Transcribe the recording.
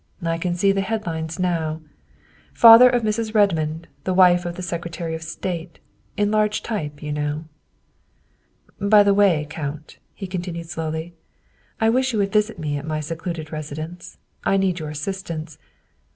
I can see the head lines now: ' Father of Mrs. Redmond, the wife of the Secretary of State,' in large type you know. " By the way, Count," he continued slowly, " I wish you would visit me at my secluded residence. I need your assistance.